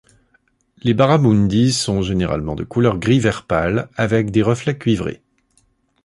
Les barramundis sont généralement de couleur gris-vert pâle avec des reflets cuivrés.